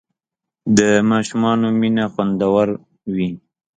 د ماشومانو مینه خوندور وي.